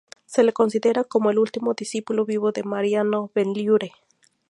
Se le considera como el último discípulo vivo de Mariano Benlliure.